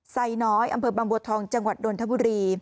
ไซน้อยอำเภอบางบัวทองจังหวัดนทบุรี